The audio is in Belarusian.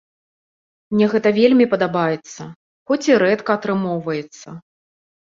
Мне гэта вельмі падабаецца, хоць і рэдка атрымоўваецца.